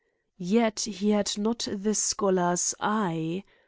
Yet he had not the scholar's eye.